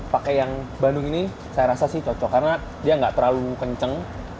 pakai yang bandung ini saya rasa sih cocok karena dia nggak terlalu kenceng